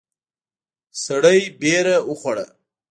سړی وېره وخوړه.